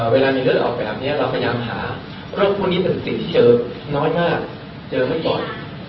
เวลามีเลือดออกแบบนี้เราพยายามหาเพราะพวกนี้มันถึงสิ่งที่เจอน้อยมากเจอไม่บ่อย